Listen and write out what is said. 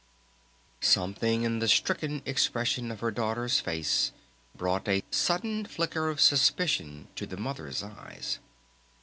Something in the stricken expression of her daughter's face brought a sudden flicker of suspicion to the Mother's eyes.